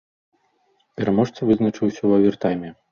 Пераможца вызначыўся ў авертайме.